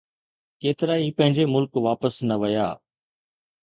ڪيترائي پنهنجي ملڪ واپس نه ويا.